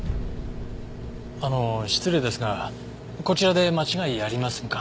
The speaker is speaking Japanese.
あの失礼ですがこちらで間違いありませんか？